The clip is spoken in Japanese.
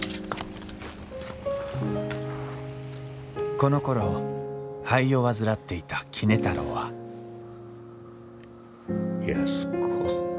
このころ肺を患っていた杵太郎は安子。